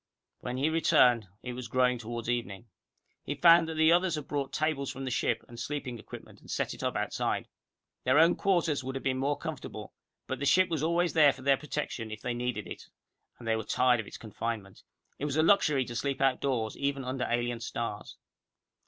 When he returned, it was growing toward evening. He found that the others had brought tables from the ship, and sleeping equipment, and set it up outside. Their own quarters would have been more comfortable, but the ship was always there for their protection, if they needed it, and they were tired of its confinement. It was a luxury to sleep outdoors, even under alien stars.